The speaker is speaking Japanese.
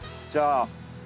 じゃあ。